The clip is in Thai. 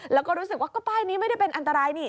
แล้วก็รู้สึกว่าก็ป้ายนี้ไม่ได้เป็นอันตรายนี่